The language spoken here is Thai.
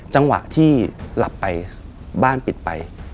จังหวะที่หลับไปบ้านปิดไป